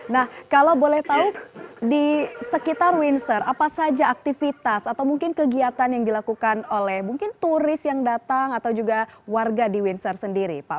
nah kalau boleh tahu di sekitar windsor apa saja aktivitas atau mungkin kegiatan yang dilakukan oleh mungkin turis yang datang atau juga warga di windsor sendiri pak